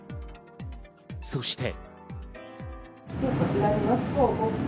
そして。